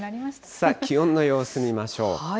さあ、気温の様子、見ましょう。